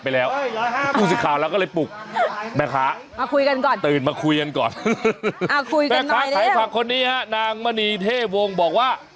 แม่ค้าขายผักคนนี้ฮะนางมณีเทพวงศ์บอกว่า